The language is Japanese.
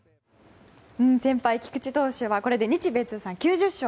先輩、菊池投手はこれで日米通算９０勝。